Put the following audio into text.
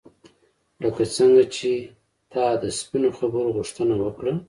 لکه څنګه چې تا د سپینو خبرو غوښتنه وکړه.